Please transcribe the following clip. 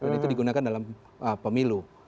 dan itu digunakan dalam pemilu